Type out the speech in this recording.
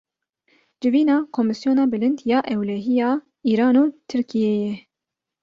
Civîna komîsyona bilind ya ewlehiya Îran û Tirkiyeyê